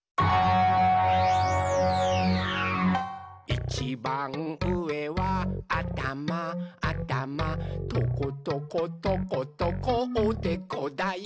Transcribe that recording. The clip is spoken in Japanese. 「いちばんうえはあたまあたまトコトコトコトコおでこだよ！」